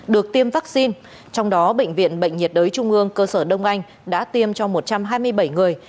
được tiêm vaccine trong đó bệnh viện bệnh nhiệt đới trung ương cơ sở đông anh đã tiêm cho một trăm hai mươi bảy người